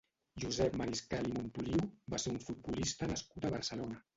Josep Mariscal i Montoliu va ser un futbolista nascut a Barcelona.